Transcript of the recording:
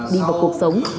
đi vào cuộc sống